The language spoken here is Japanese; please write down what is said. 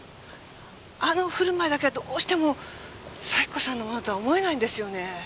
あの振る舞いだけがどうしても咲子さんのものとは思えないんですよね。